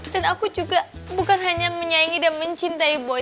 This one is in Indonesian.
dan aku juga bukan hanya menyaingi dan mencintai boy